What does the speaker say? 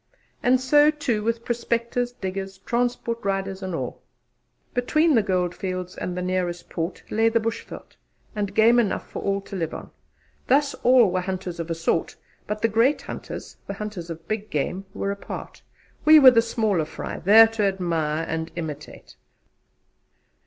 And so too with prospectors, diggers, transport riders and all. Between the goldfields and the nearest port lay the Bushveld, and game enough for all to live on. Thus, all were hunters of a sort, but the great hunters the hunters of big game were apart; we were the smaller fry, there to admire and to imitate.